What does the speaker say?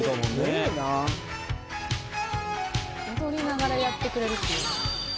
すげえな踊りながらやってくれるっていうね